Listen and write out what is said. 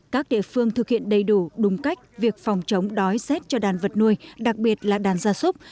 các địa phương thực hiện đầy đủ đúng cách việc phòng chống đói rét cho đàn vật nuôi đặc biệt là đàn gia súc